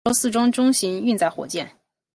三角洲四号中型运载火箭。